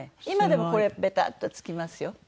今でもこれベタッとつきますよ。